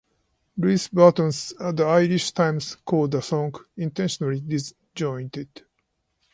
Louise Bruton of "The Irish Times" called the song "intentionally disjointed".